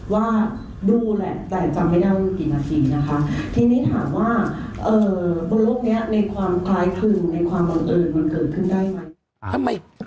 ว่าดูแหละแต่จำไม่ได้ว่ามันกี่นาทีนะคะทีนี้ถามว่าบนโลกนี้ในความคล้ายคลึงในความบังเอิญมันเกิดขึ้นได้ไหม